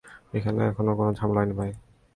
এখানে এখনো কোনো ঝামেলা হয়নি, ভাই।